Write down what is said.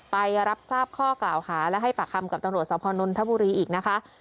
ไปรับทราบข้อกล่าวหาและให้ปากคำกับตำรวจสพนนทบุรีอีกนะคะ